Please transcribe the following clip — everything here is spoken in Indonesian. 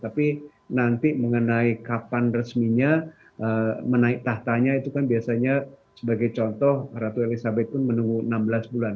tapi nanti mengenai kapan resminya menaik tahtanya itu kan biasanya sebagai contoh ratu elizabeth pun menunggu enam belas bulan